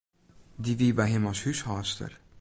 Dy wie by him as húshâldster.